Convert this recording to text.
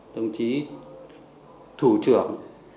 đồng chí thủ trưởng